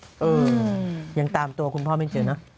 ยังตามตัวคุณพ่อไม่เจอเนอะ